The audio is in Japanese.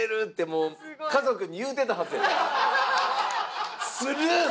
もう家族に言うてたはずや。